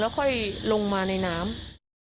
แล้วค่อยลงมาในน้ำ